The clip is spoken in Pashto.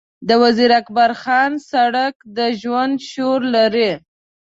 د وزیر اکبرخان سړک د ژوند شور لري.